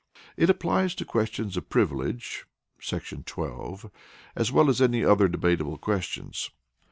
It applies to questions of privilege [§ 12] as well as any other debatable questions.